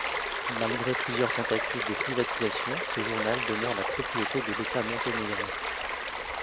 Malgré plusieurs tentatives de privatisation, le journal demeure la propriété de l'État monténégrin.